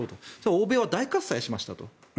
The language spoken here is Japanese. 欧米は大喝采しました。